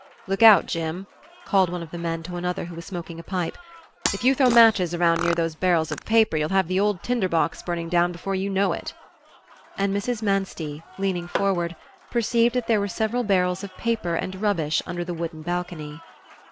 "Look out, Jim," called one of the men to another who was smoking a pipe, "if you throw matches around near those barrels of paper you'll have the old tinder box burning down before you know it." And Mrs. Manstey, leaning forward, perceived that there were several barrels of paper and rubbish under the wooden balcony.